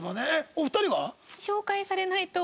お二人は？